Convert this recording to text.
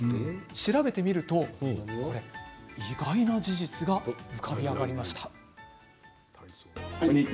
調べてみると意外な事実が浮かび上がりました。